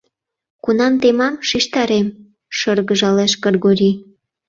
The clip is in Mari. — Кунам темам — шижтарем, — шыргыжалеш Кыргорий.